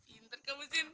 pintar kamu sin